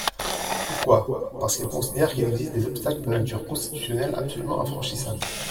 Pourquoi ? Parce qu’elles considèrent qu’il existe des obstacles de nature constitutionnelle absolument infranchissables.